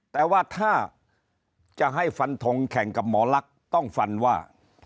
แต่ว่าถ้าจะให้ฟันทงแข่งกับหมอลักษณ์ต้องฟันว่า